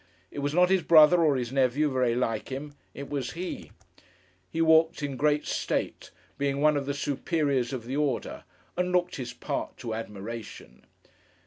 It was not his brother or his nephew, very like him. It was he. He walked in great state: being one of the Superiors of the Order: and looked his part to admiration.